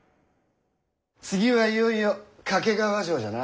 次はいよいよ懸川城じゃな。